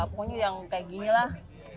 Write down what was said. pokoknya yang kayak ginilah